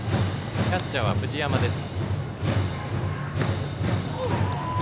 キャッチャーは藤山です。